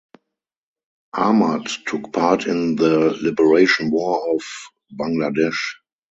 Ahmad took part in the Liberation War of Bangladesh.